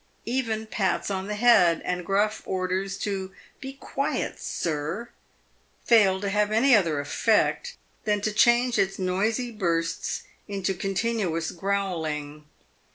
Even pats on the head and gruff orders to " be quiet, sir," failed to have any other effect than to change its noisy bursts into continuous growling.